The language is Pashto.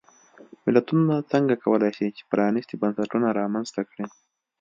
ملتونه څنګه کولای شي چې پرانیستي بنسټونه رامنځته کړي.